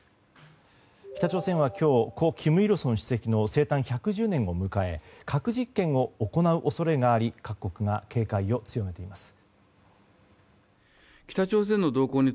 北朝鮮は今日、故・金日成主席の生誕１１０年を迎え核実験を行う恐れがあり各国が警戒を強めています。